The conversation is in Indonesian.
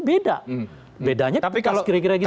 beda bedanya kalau kira kira gitu